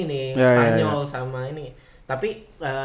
tapi dia bilang tuh spanyol itu udah bergantung ke apa